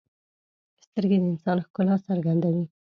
سترګې د انسان ښکلا څرګندوي